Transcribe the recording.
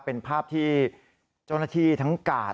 เป็นภาพที่เจ้าหน้าที่ทั้งกาด